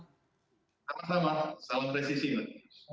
selamat malam salam resisi mbak